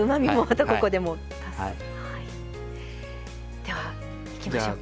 ではいきましょうか。